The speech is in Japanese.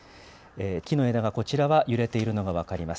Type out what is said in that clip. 木の枝がこちらは揺れているのが分かります。